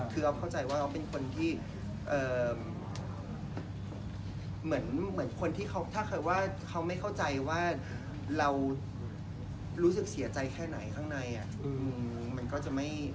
คืออฟเข้าใจว่าอฟเป็นคนที่เหมือนคนที่เขาไม่เข้าใจว่าเรารู้สึกเสียใจแค่ไหนข้างใน